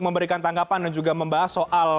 memberikan tanggapan dan juga membahas soal